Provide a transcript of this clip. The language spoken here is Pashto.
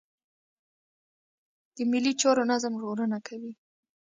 د مالي چارو نظم ژغورنه کوي.